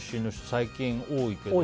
最近、多いけど。